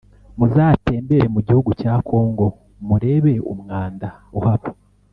Muzatembere mu gihugu cya congo murebe umwanda uhaba